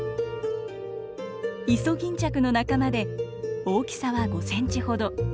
イソギンチャクの仲間で大きさは５センチほど。